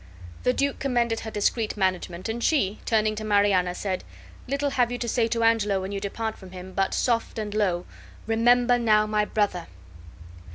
The duke commended her discreet management, and she, turning to Mariana, said, "Little have you to say to Angelo, when you depart from him, but soft and low, REMEMBER NOW MY BROTHER!"